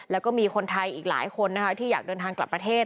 แล้วก็มีคนไทยอีกหลายคนนะคะที่อยากเดินทางกลับประเทศ